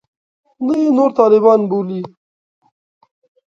نه یې نور طالبان بولي.